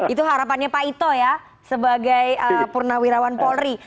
itu harapannya pak ito ya sebagai purnawirawan polri